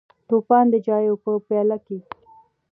توپان د چایو په پیاله کې: